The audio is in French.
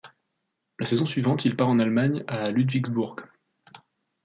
La saison suivante il part en Allemagne à Ludwisburg.